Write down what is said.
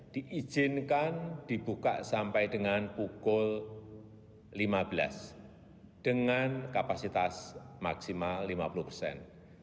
diizinkan dibuka sampai dengan pukul lima belas dengan kapasitas maksimal lima puluh persen